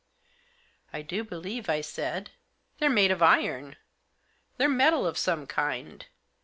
"I do believe," I said, "they're made of iron — they're a metal of some kind.